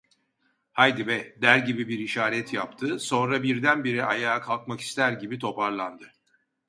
"Haydi be!" der gibi bir işaret yaptı, sonra birdenbire ayağa kalkmak ister gibi toparlandı.